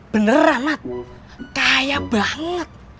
beneran mat kaya banget